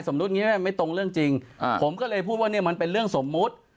อย่างนี้ไม่ตรงเรื่องจริงผมก็เลยพูดว่าเนี่ยมันเป็นเรื่องสมมุติ